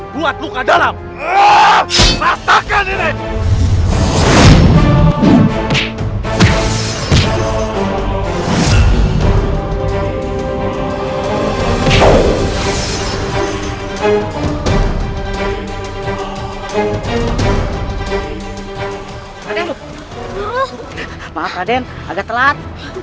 buat luka dalam